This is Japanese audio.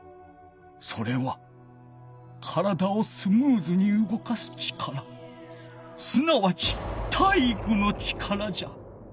それは体をスムーズにうごかす力すなわち体育の力じゃ！